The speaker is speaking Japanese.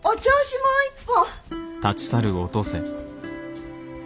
もう一本！